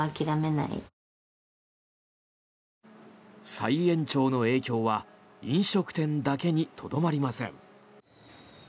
再延長の影響は飲食店だけにとどまりません。